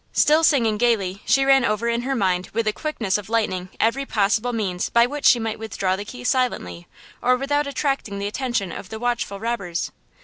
Still singing gayly she ran over in her mind with the quickness of lightening every possible means by which she might withdraw the key silently, or without attracting the attention of the watchful robbers.